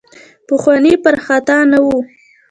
پخواني پر خطا نه وو.